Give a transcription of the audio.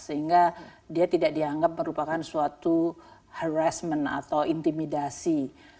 sehingga dia tidak dianggap merupakan suatu harassment atau intimidasi